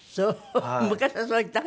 昔はそう言っていたの？